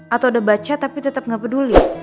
atau udah baca tapi tetep gak peduli